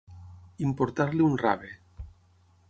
Importar-li un rave.